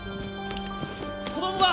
子供が！